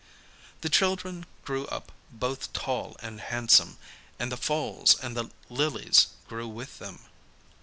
The children grew up both tall and handsome, and the foals and the lilies grew with them.